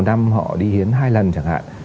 một năm họ đi hiến hai lần chẳng hạn